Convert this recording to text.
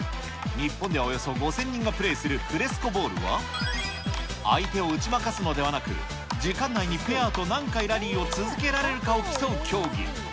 日本ではおよそ５０００人がプレーするフレスコボールは、相手を打ち負かすのではなく、時間内にペアと何回ラリーを続けられるかを競う競技。